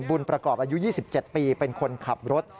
บุญประกอบอายุ๒๗ปีเป็นคนขับรถ